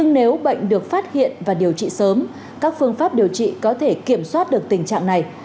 nếu bệnh được phát hiện và điều trị sớm các phương pháp điều trị có thể kiểm soát được tình trạng này